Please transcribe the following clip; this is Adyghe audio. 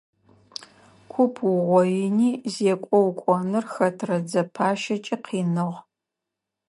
Куп уугъоини зекӀо укӀоныр хэтрэ дзэпащэкӀи къиныгъ.